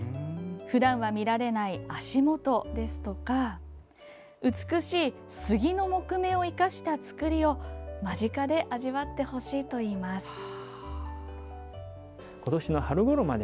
ふだんは見られない足元ですとか美しいスギの木目を生かした作りを間近で味わってほしいといいます。